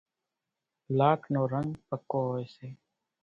لاک نو رنڳ پڪو هوئيَ سي۔